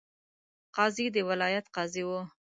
قاضي د ولایت قاضي وو.